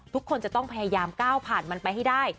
ทุกคนจะต้องพยายามก้าวผ่านมันไปให้ได้